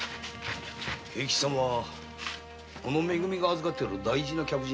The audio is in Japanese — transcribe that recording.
平吉さんはめ組が預かっている大事な客人。